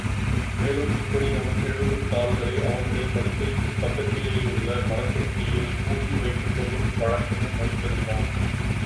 மேலும் இப்படி அவன் எழுதும் தாள்களை அவனுடைய படுக்கைக்குப் பக்கத்திலேயுள்ள மரப்பெட்டியில் பூட்டி வைத்துக் கொள்ளும் வழக்கமும் வைத்திருந்தான்.